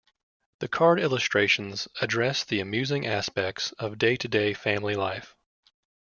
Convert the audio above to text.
The card illustrations address the amusing aspects of day-to-day family life.